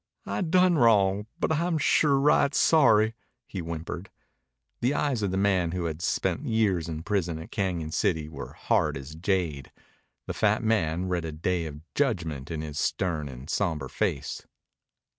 I done wrong, but I'm sure right sorry," he whimpered. The eyes of the man who had spent years in prison at Cañon City were hard as jade. The fat man read a day of judgment in his stern and somber face.